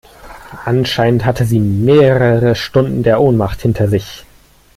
Anscheinend hatte sie mehrere Stunden der Ohnmacht hinter sich.